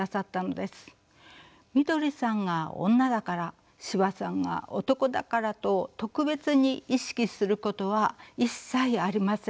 みどりさんが女だから司馬さんが男だからと特別に意識することは一切ありませんでした。